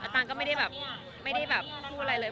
ตันก็ไม่ได้แบบไม่ได้แบบพูดอะไรเลย